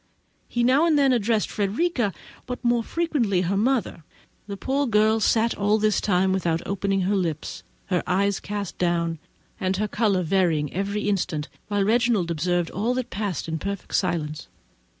He now and then addressed Frederica, but more frequently her mother. The poor girl sat all this time without opening her lips—her eyes cast down, and her colour varying every instant; while Reginald observed all that passed in perfect silence.